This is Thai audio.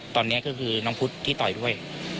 ตอนนี้ก็คือน้องพุทธที่ต่อยด้วย